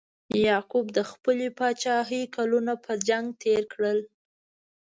یعقوب د خپلې پاچاهۍ کلونه په جنګ تیر کړل.